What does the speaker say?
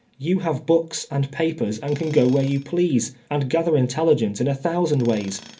You have books and papers, and can go where you please, and gather intelligence in a thousand ways.